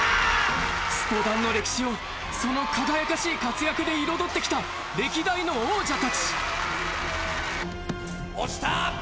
スポダンの歴史をその輝かしい活躍で彩ってきた歴代の王者達押した！